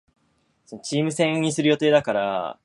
お風呂に入る